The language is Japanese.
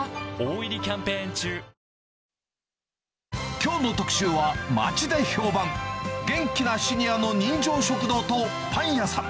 きょうの特集は、町で評判、元気なシニアの人情食堂とパン屋さん。